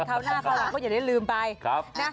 เข้าหน้าเข้าหลังไม่อย่าได้ลืมไปนะครับ